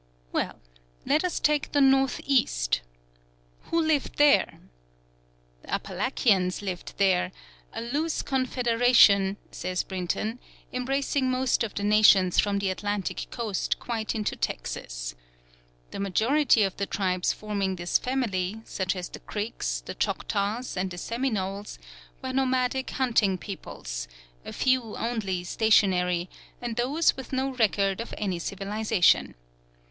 Well, let us take the north east. Who lived there? The Apalachians lived there, "a loose confederation," says Brinton, "embracing most of the nations from the Atlantic coast quite into Texas." The majority of the tribes forming this family, such as the Creeks, the Choctaws, and the Seminoles, were nomadic hunting peoples, a few only stationary, and those with no record of any civilisation.